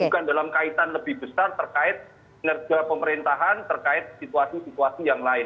bukan dalam kaitan lebih besar terkait nerja pemerintahan terkait situasi situasi yang lain